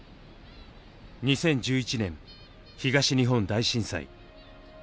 ２０１１年東日本大震災。